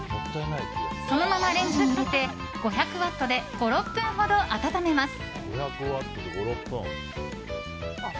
そのままレンジに入れ５００ワットで５６分ほど温めます。